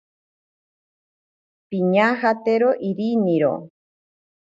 Piñajatero iriniro.